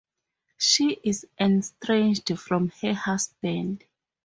She is estranged from her husband.